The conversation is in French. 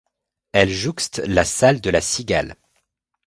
Elle jouxte la salle de La Cigale.